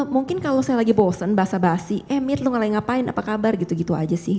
mungkin kalau saya lagi bosen basah basih eh mir lo ngelain ngapain apa kabar gitu gitu saja sih